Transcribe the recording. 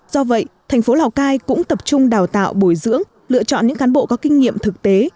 do vậy thành phố lào cai cũng tập trung đào tạo bồi dưỡng lựa chọn những cán bộ có kinh nghiệm thực tế